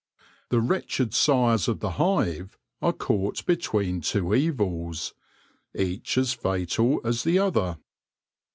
The wretched sires of the hive are caught between two evils, each as fatal as the other.